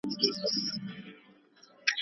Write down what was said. سياسي ثبات د هېواد لپاره مهم دی.